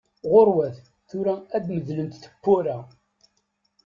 Ɣuṛwat, tura ad medlent teppura!